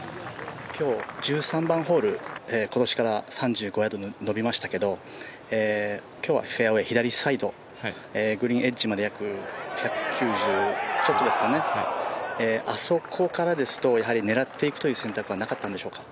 今日、１３番ホール今年から３５ヤード延びましたけど今日はフェアウエー左サイド、グリーンエッジまで約１９０ちょっとですかね、あそこからですとやはり狙っていくという選択はなかったんでしょうか？